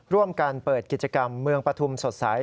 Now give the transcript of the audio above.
ร่วมกันเปิดกิจกรรมเมืองปฐุมสดใส